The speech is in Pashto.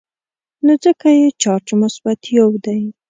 نو ځکه یې چارج مثبت یو دی.